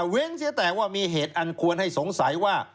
เว้นเสียแต่ว่ามีเหตุอันควรให้สงสัยว่า